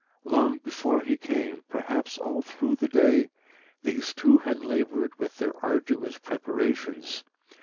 Long before he came, perhaps all through the day, these two had laboured with their arduous preparations.